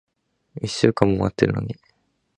一週間も待ってるのに。